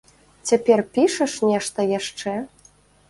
Цяпер пішаш нешта яшчэ?